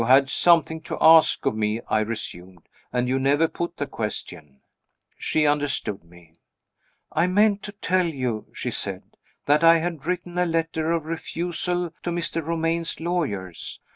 "You had something to ask of me," I resumed, "and you never put the question." She understood me. "I meant to tell you," she said, "that I had written a letter of refusal to Mr. Romayne's lawyers.